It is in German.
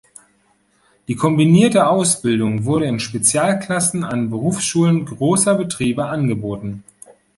Die kombinierte Ausbildung wurde in Spezialklassen an Berufsschulen großer Betriebe angeboten.